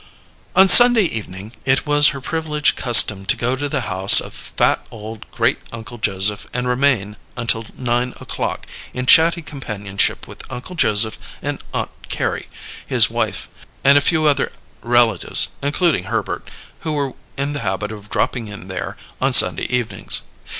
On Sunday evening it was her privileged custom to go to the house of fat old Great Uncle Joseph and remain until nine o'clock, in chatty companionship with Uncle Joseph and Aunt Carrie, his wife, and a few other relatives (including Herbert) who were in the habit of dropping in there, on Sunday evenings.